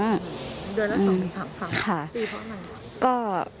เดือนละสองถึงสามครั้งค่ะ